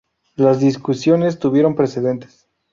Las discusiones tuvieron precedentes.